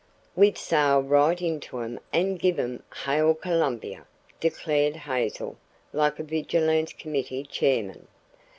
"We'd sail right into 'em and give 'em Hail Columbia," declared Hazel like a vigilance committee chairman.